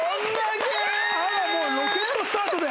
あらもうロケットスタートで。